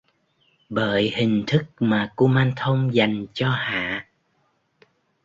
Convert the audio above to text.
bởi hình thức mà Kumanthong dành cho Hạ